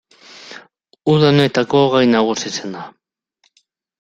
Uda honetako gai nagusia izan da.